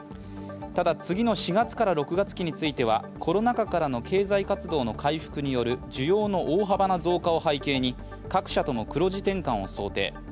ただ、次の４月から６月期についてはコロナ禍からの経済活動の回復による需要の大幅な増加を背景に、各社とも黒字転換を想定。